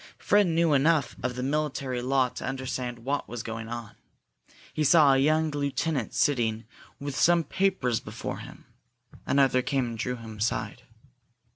Fred knew enough of the military law to understand what was going on. He saw a young lieutenant sitting with some papers before him. Another came and drew him aside.